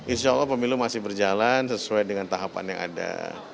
insya allah pemilu masih berjalan sesuai dengan tahapan yang ada